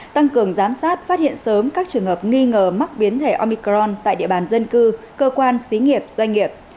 tăng cường giám sát phát hiện sớm các trường hợp nghi ngờ mắc biến thể omicron tại địa bàn dân cư cơ quan xí nghiệp doanh nghiệp